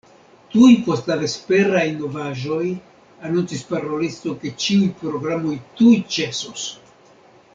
Tuj post la vesperaj novaĵoj anoncis parolisto, ke ĉiuj programoj tuj ĉesos.